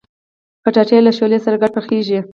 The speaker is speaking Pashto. کچالو له شولو سره ګډ پخېږي